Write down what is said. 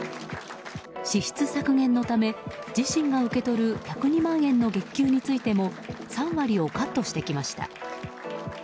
支出削減のため自身が受け取る１０２万円の月給についても３割をカットしてきました。